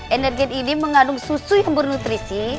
energi ini mengandung susu yang bernutrisi